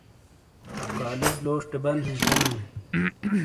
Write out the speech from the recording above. کالج لوشٹے بن ھی تھے نا